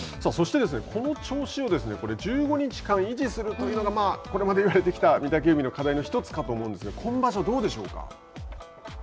そして、この調子を１５日間維持するというのがまあ、これまで言われてきた御嶽海の課題の１つかと思うんですが今場所はどうでしょうか。